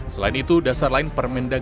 selain itu dasar lain permendagri